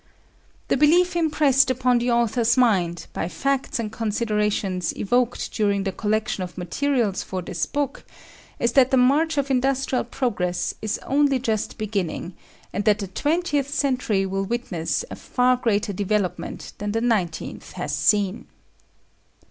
The belief impressed upon the Author's mind, by facts and considerations evoked during the collection of materials for this book, is that the march of industrial progress is only just beginning, and that the twentieth century will witness a far greater development than the nineteenth has seen.